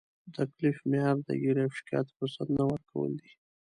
د تکلیف معیار د ګیلې او شکایت فرصت نه ورکول دي.